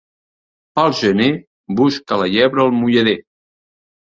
Pel gener busca la llebre el mullader.